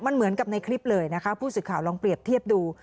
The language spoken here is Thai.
มันเหมือนกับในคลิปเลยนะคะผู้สื่อข่าวลองเปรียบเทียบดู